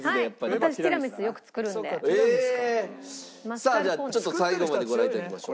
さあじゃあちょっと最後までご覧頂きましょう。